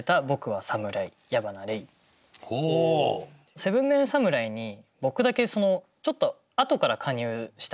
７ＭＥＮ侍に僕だけちょっと後から加入したんですよ。